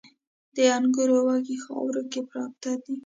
د انګورو وږي خاورو کې پراته دي